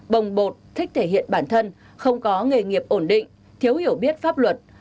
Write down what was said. bồng bột thích thể hiện bản thân không có nghề nghiệp ổn định thiếu hiểu biết pháp luật